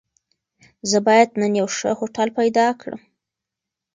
زه بايد نن يو ښه هوټل پيدا کړم.